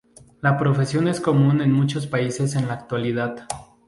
La profesión es muy común en muchos países en la actualidad.